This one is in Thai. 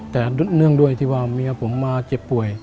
แต่เนื่องด้วยที่ว่าเมียผมมาเจ็บป่วย